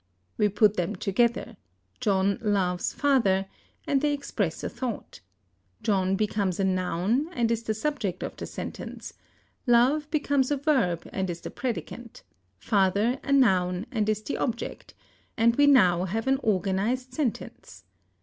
We put them together, John loves father, and they express a thought; John becomes a noun, and is the subject of the sentence; love becomes a verb, and is the predicant; father a noun, and is the object; and we now have an organized sentence.